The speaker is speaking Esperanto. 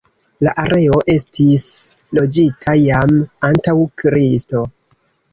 La areo estis loĝita jam antaŭ Kristo.